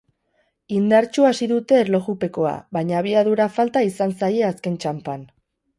Indartsu hasi dute erlojupekoa, baina abiadura falta izan zaie azken txanpan.